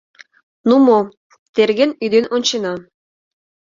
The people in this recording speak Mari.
— Ну мо, терген ӱден ончена.